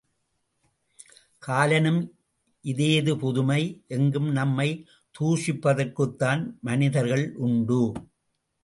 காலனும் இதேது புதுமை, எங்கும் நம்மைத் தூஷிப்பதற்குத்தான் மனிதர்களுண்டு.